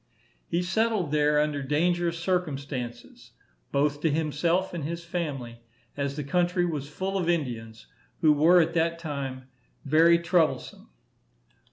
He settled there under dangerous circumstances, both to himself and his family, as the country was full of Indians, who were at that time very troublesome.